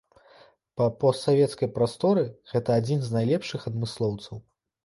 Па постсавецкай прасторы гэта адзін з найлепшых адмыслоўцаў.